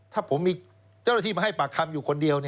ถ้าผมมีเจ้าหน้าที่มาให้ปากคำอยู่คนเดียว